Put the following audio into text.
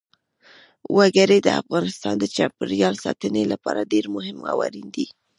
وګړي د افغانستان د چاپیریال ساتنې لپاره ډېر مهم او اړین دي.